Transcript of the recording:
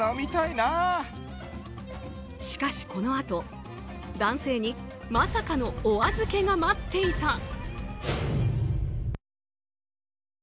しかしこのあと、男性にまさかのおあずけが待っていた。